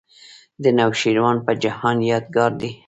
د نوشیروان په جهان یادګار دی.